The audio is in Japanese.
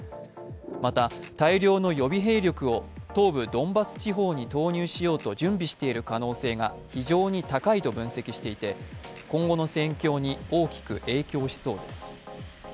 また、大量の予備兵力を東部ドンバス地方に投入しようと準備している可能性が非常に高いと分析していて今後の戦況に大きく影響しそうです。